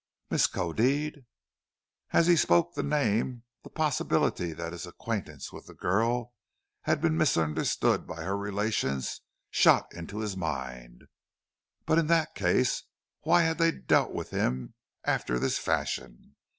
"Miskodeed!" As he spoke the name the possibility that his acquaintance with the girl had been misunderstood by her relations shot into his mind. But in that case why had they dealt with him after this fashion?